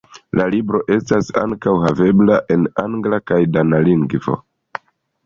La libro estas ankaŭ havebla en angla kaj dana lingvo.